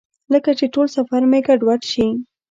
لکه چې ټول سفر مې ګډوډ شي.